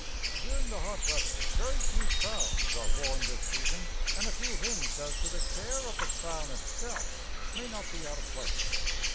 During the hot weather very few crowns are worn this season, and a few hints as to the care of the crown itself may not be out of place.